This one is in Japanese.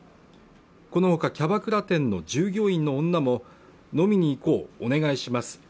このほかキャバクラ店の従業員の女も飲みに行こうお願いします